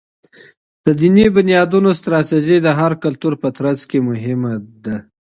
د دینی بنیادونو ستراتیژۍ د هر کلتور په ترڅ کي مهمي دي.